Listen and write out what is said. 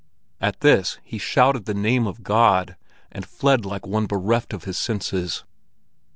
At this he shouted the name of God, and fled like one bereft of his senses.